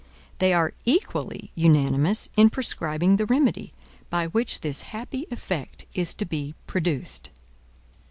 They are equally unanimous in prescribing the remedy, by which this happy effect is to be produced.